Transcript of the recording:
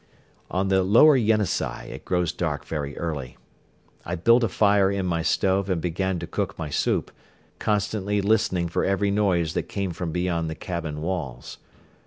On the lower Yenisei it grows dark very early. I built a fire in my stove and began to cook my soup, constantly listening for every noise that came from beyond the cabin walls.